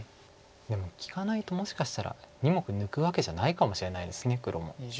でも利かないともしかしたら２目抜くわけじゃないかもしれないです黒も。